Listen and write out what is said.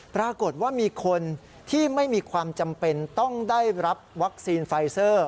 ปรากฏว่ามีคนที่ไม่มีความจำเป็นต้องได้รับวัคซีนไฟเซอร์